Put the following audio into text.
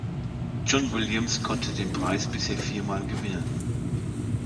John Williams konnte den Preis bisher viermal gewinnen.